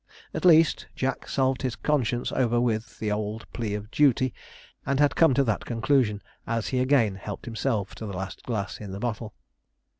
At least, Jack salved his conscience over with the old plea of duty; and had come to that conclusion as he again helped himself to the last glass in the bottle.